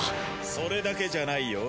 それだけじゃないよ。